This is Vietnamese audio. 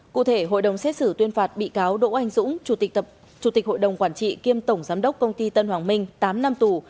cụ thể hội đồng xét xử tuyên phạt bị cáo đỗ anh dũng chủ tịch hội đồng quản trị kiêm tổng giám đốc công ty tân hoàng minh tám năm tù